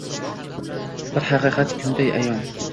Bir haqiqat kunday ayon.